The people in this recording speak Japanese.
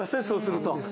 そうすると。